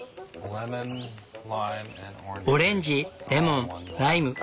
オレンジレモンライム